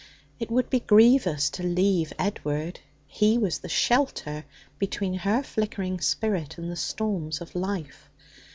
It would be grievous to leave Edward. He was the shelter between her flickering spirit and the storms of life.